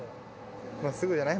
真っすぐじゃない？